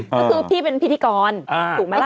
ก็คือพี่เป็นพิธีกรถูกไหมล่ะ